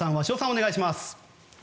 お願いします。